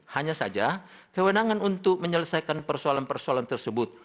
hanya saja kewenangan untuk menyelesaikan persoalan persoalan tersebut